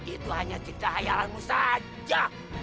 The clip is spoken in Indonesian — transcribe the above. itu hanya cerita khayalanmu saja